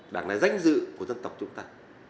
đảng là danh dự của dân tộc chúng ta